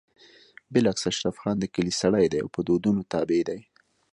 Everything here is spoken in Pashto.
بالعكس اشرف خان د کلي سړی دی او په دودونو تابع دی